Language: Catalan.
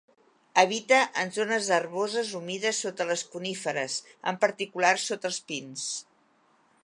Habita en zones herboses humides sota les coníferes, en particular sota els pins.